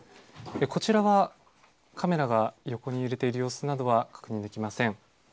こちらはカメラが横に揺れている様子などは確認できません。